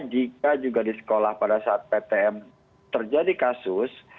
jika juga di sekolah pada saat ptm terjadi kasus